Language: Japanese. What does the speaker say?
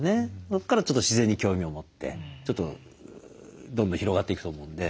そこからちょっと自然に興味を持ってちょっとどんどん広がっていくと思うんで。